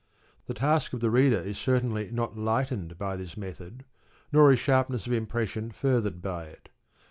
The task of the reader is certainly not lightened by this method, nor is sharpness of im pression furthered by it.